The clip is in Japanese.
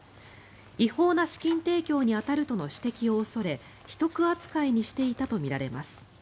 違法な資金提供に当たるとの指摘を恐れ秘匿扱いにしていたとみられます。